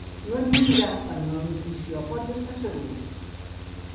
No et moriràs per malnutrició, pots estar segur.